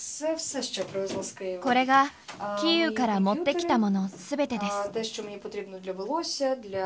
ここがキーウから持ってきたものすべてです。